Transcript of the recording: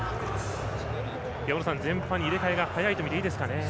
大野さん、全般に入れ替えが早いとみていいですかね。